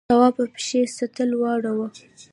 تواب په پښې سطل واړاوه.